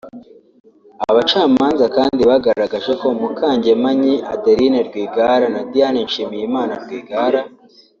Abacamanza kandi bagaragaje ko Mukangemanyi Adeline Rwigara na Diane Nshimiyimana Rwigara